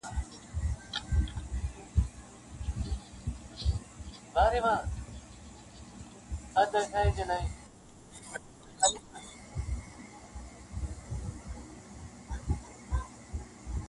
خلک روڼي اوږدې شپې کړي د غوټۍ په تمه تمه-